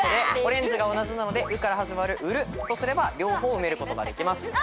オレンジが同じなので「う」から始まる「うる」とすれば両方埋めることができます。